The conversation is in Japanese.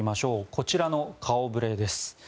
こちらの顔触れです。